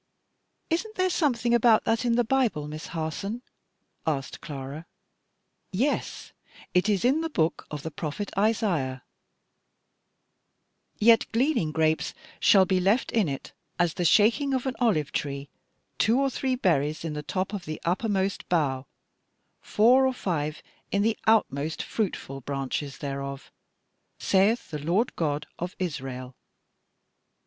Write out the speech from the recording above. '" "Isn't there something about that in the Bible, Miss Harson?" asked Clara. "Yes; it is in the book of the prophet Isaiah, 'Yet gleaning grapes shall be left in it, as the shaking of an olive tree, two or three berries in the top of the uppermost bough, four or five in the outmost fruitful branches thereof, saith the Lord God of Israel.'